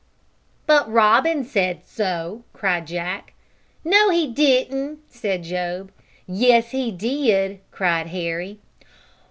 "But Robin said so," cried Jack. "No, he didn't," said Job. "Yes, he did," cried Harry.